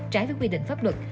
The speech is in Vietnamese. trái với quy định pháp luật